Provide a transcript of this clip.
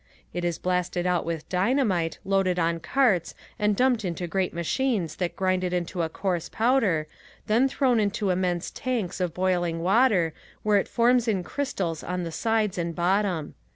It is blasted out with dynamite, loaded on carts and dumped into great machines that grind it to a coarse powder, then thrown into immense tanks of boiling water where it forms in crystals on the sides and bottom.